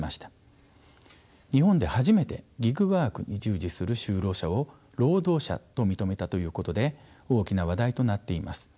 日本で初めてギグワークに従事する就労者を労働者と認めたということで大きな話題となっています。